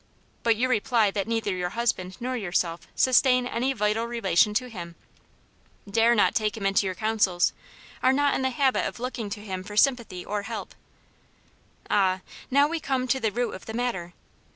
But you reply that neither your husband nor yourself sustain any vital relation to Him; dare not take Him into your counsels; are not in the habit of looking to Him for sympathy or for help. Ah, now we come to the root of the matter